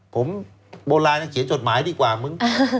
ผมโบราณนะเขียนจดหมายดีกว่ามึง